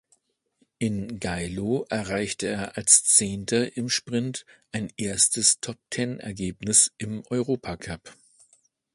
In Geilo erreichte er als Zehnter im Sprint ein erstes Top-Ten-Ergebnis im Europacup.